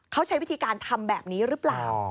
เขาใช้วิธีการทำแบบนี้หรือเปล่า